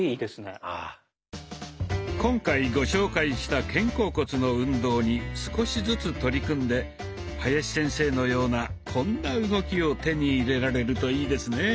今回ご紹介した肩甲骨の運動に少しずつ取り組んで林先生のようなこんな動きを手に入れられるといいですね。